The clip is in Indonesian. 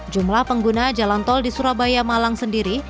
jumlah pengguna jalan tol di surabaya malang sendiri